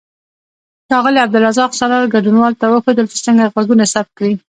ښاغلي عبدالرزاق سالار ګډونوالو ته وښودل چې څنګه غږونه ثبت کړي.